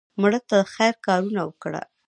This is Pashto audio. مړه ته د خیر کارونه وکړه